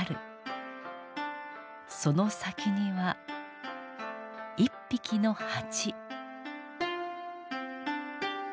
その先には１匹の蜂。